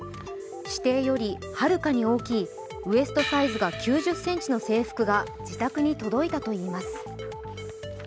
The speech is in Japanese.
指定よりはるかに大きいウエストサイズが９０ｃｍの制服が自宅に届いたといいます。